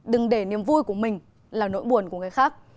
đừng để niềm vui của mình là nỗi buồn của người khác